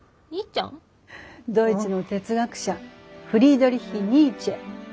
ドイツの哲学者フリードリッヒ・ニーチェ。